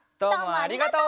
ありがとう。